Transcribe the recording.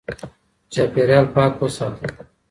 چاپېريال پاک وساته